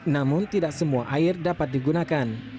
namun tidak semua air dapat digunakan